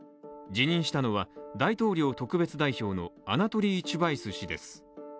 辞任したのは大統領特別代表のアナトリー・チュバイス氏です。